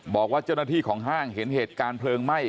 บอกว่าเจ้าหน้าที่ของห้างเห็นเหตุการณ์เพลิงไหม้